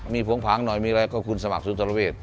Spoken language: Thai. มีผงผางหน่อยมีอะไรก็คุณสมัครสุนทรเวท